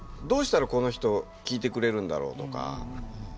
どうしたらこの人聞いてくれるんだろうとか。